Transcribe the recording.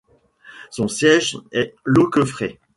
Son siège est Loqueffret.